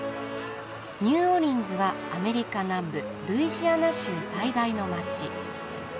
ニューオーリンズはアメリカ南部ルイジアナ州最大の街。